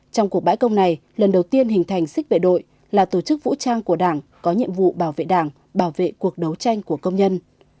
trong cuộc bãi công này lần đầu tiên hình thành xích vệ đội là tổ chức vũ trang của đảng có nhiệm vụ bảo vệ đảng bảo vệ cuộc đấu tranh của công nhân